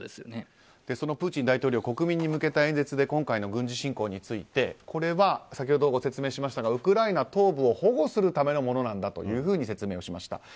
そのプーチン大統領国民に向けた演説で今回の軍事侵攻についてこれは、先ほどご説明しましたがウクライナ東部を保護するためのものなんだと説明をしました。